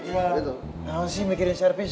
mbah mau sih mikirin servis